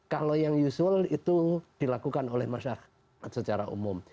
kalau yang usul itu dilakukan oleh masyarakat secara umum